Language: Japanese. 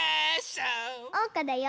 おうかだよ！